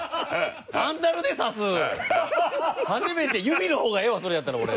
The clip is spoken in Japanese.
指の方がええわそれやったら俺。